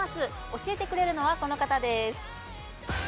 教えてくれるのは、この方です。